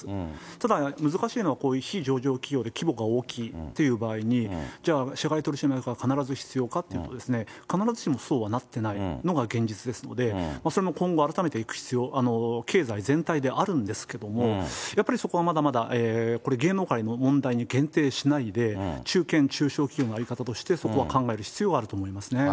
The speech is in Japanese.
ただ、難しいのはこういう非上場企業で規模が大きいっていう場合に、じゃあ、社外取締役は必ず必要かっていうと、必ずしもそうはなってないのが現実ですので、それを今後改めていく必要、経済全体であるんですけれども、やっぱりそこはまだまだこれ、芸能界の問題に限定しないで、中堅、中小企業の在り方としてそこは考える必要はあると思いますね。